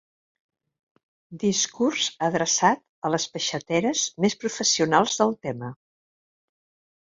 Discurs adreçat a les peixateres més professionals del tema.